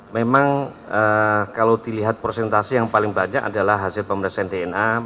memang kalau dilihat prosentase yang paling banyak adalah hasil pemeriksaan dna